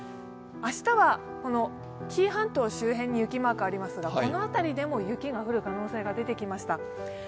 明日は紀伊半島周辺に雪マークがありますが、この辺りでも雪が降る可能性が出てきました。